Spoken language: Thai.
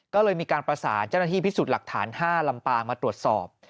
ก็เลยมีการประสานเจ้าหน้าที่พิสูจน์หลักฐาน๕ลำปางมาตรวจสอบ